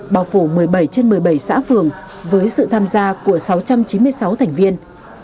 bảo phủ một mươi bảy trên một mươi bảy xã phường với sự tham gia của sáu trăm chín mươi sáu thành viên